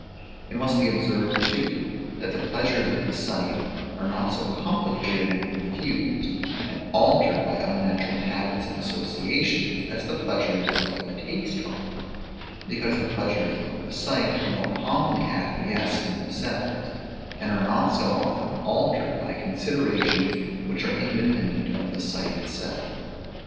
It must be observed too, that the pleasures of the sight are not near so complicated, and confused, and altered by unnatural habits and associations, as the pleasures of the taste are; because the pleasures of the sight more commonly acquiesce in themselves; and are not so often altered by considerations which are independent of the sight itself.